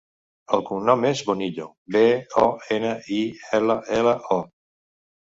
El cognom és Bonillo: be, o, ena, i, ela, ela, o.